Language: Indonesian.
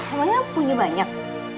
pokoknya punya banyak